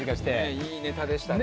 いいネタでしたね。